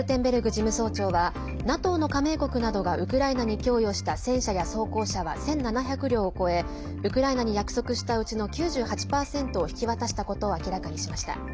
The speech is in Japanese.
事務総長はＮＡＴＯの加盟国などがウクライナに供与した戦車や装甲車は１７００両を超えウクライナに約束したうちの９８％を引き渡したことを明らかにしました。